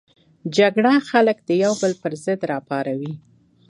جګړه خلک د یو بل پر ضد راپاروي